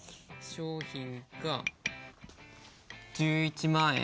商品が１１万円減ると。